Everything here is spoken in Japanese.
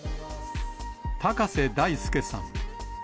高瀬大輔さん。